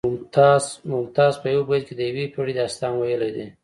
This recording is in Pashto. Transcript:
ممتاز په یو بیت کې د یوې پیړۍ داستان ویلی دی